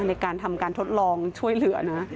ในการทำการทดลองช่วยเหลือนะ